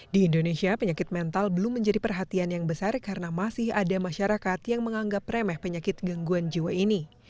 di indonesia penyakit mental belum menjadi perhatian yang besar karena masih ada masyarakat yang menganggap remeh penyakit gangguan jiwa ini